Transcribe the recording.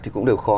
thì cũng đều khó